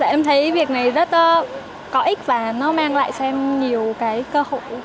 em thấy việc này rất có ích và nó mang lại cho em nhiều cái cơ hội